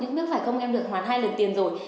không biết phải không em được hoàn hai lần tiền rồi